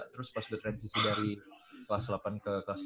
terus pas udah transisi dari kelas delapan ke kelas tiga